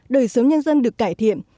đời sống nhân dân được cải thiện